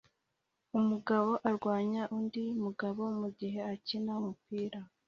Umugabo arwanya undi mugabo mugihe akina umupira